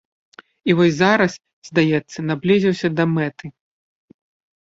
І вось зараз, здаецца, наблізіўся да мэты.